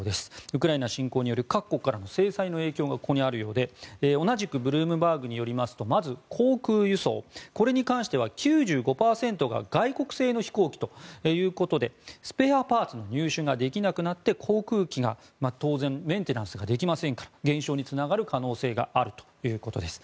ウクライナ侵攻の各国による制裁の影響がここにあるようで、同じくブルームバーグによりますとまず航空輸送に関しては９５％が外国製の飛行機ということでスペアパーツの入手ができなくなって航空機が当然メンテナンスができませんから減少につながる可能性があるということです。